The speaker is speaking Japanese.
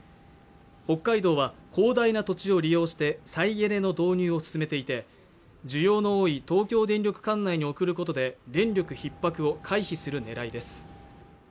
北海道は広大な土地を利用して再エネの導入を進めていて需要の多い東京電力管内に送ることで電力ひっ迫を回避するねらいです